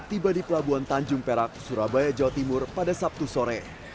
tiba di pelabuhan tanjung perak surabaya jawa timur pada sabtu sore